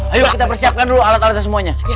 ayo kita persiapkan dulu alat alatnya semuanya